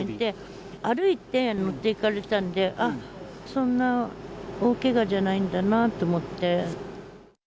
歩いて乗っていかれたんで、あっ、そんな大けがじゃないんだなと思って。